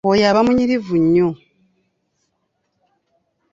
Oyo aba mumanyirivu nnyo.